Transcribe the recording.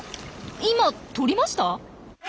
今とりました？